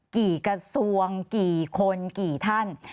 กระทรวงกี่คนกี่ท่าน